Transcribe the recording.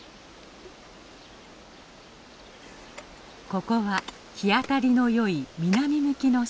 ここは日当りのよい南向きの斜面。